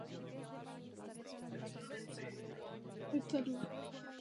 Před vypuknutím první světové války byl generálním inspektorem jízdy.